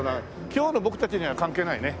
今日の僕たちには関係ないね。